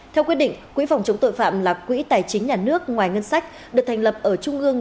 theo quyết định quỹ phòng chống tội phạm là quỹ tài chính nhà nước ngoài ngân sách được thành lập ở trung ương